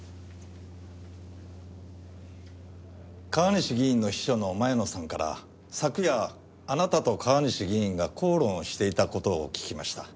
川西議員の秘書の前野さんから昨夜あなたと川西議員が口論をしていた事を聞きました。